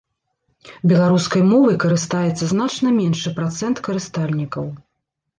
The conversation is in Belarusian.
Беларускай мовай карыстаецца значна меншы працэнт карыстальнікаў.